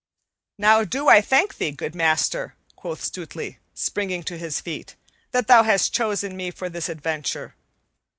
"Now do I thank thee, good master," quoth Stutely, springing to his feet, "that thou hast chosen me for this adventure.